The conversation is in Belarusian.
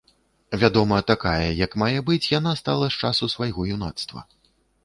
Вядома, такая, як мае быць, яна стала з часу свайго юнацтва.